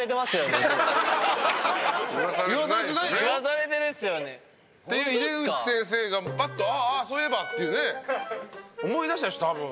井手口先生がパッと「あっそういえば」っていうね思い出したんでしょ多分。